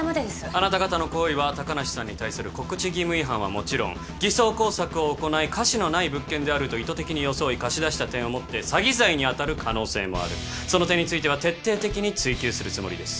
あなた方の行為は高梨さんに対する告知義務違反はもちろん偽装工作を行い瑕疵のない物件であると意図的に装い貸し出した点をもって詐欺罪にあたる可能性もあるその点については徹底的に追及するつもりです